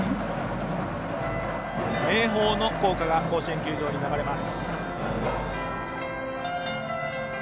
明豊の校歌が甲子園球場に流れます。